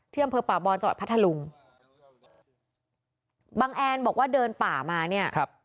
เชื่อมเพื่อป่าบอลจังหวัดพัฒนฐรุงบังแอนบอกว่าเดินป่ามาเนี่ยครับ